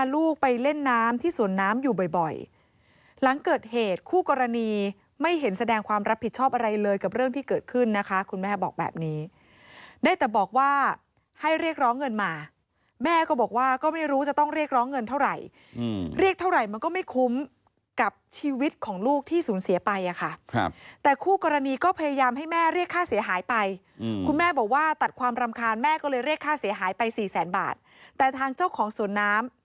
ลูกไปเล่นน้ำที่สวนน้ำอยู่บ่อยบ่อยหลังเกิดเหตุคู่กรณีไม่เห็นแสดงความรับผิดชอบอะไรเลยกับเรื่องที่เกิดขึ้นนะคะคุณแม่บอกแบบนี้ได้แต่บอกว่าให้เรียกร้องเงินมาแม่ก็บอกว่าก็ไม่รู้จะต้องเรียกร้องเงินเท่าไหร่อืมเรียกเท่าไหร่มันก็ไม่คุ้มกับชีวิตของลูกที่สูญเสียไปอะค่ะครับแต่คู่กรณ